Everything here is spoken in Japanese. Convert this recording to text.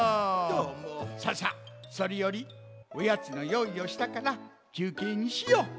ささそれよりおやつのよういをしたからきゅうけいにしよう。